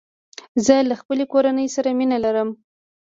زه له خپلي کورنۍ سره مينه لرم